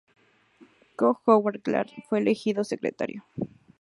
J. Howard Clark, fue elegido secretario.